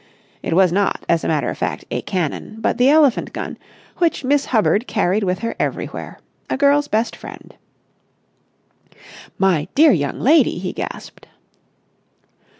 It was not, as a matter of fact, a cannon but the elephant gun, which Miss Hubbard carried with her everywhere—a girl's best friend. "My dear young lady!" he gasped.